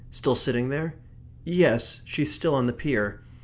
Still sitting there? Yes she's still on the pier.